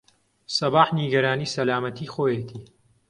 سەباح نیگەرانی سەلامەتیی خۆیەتی.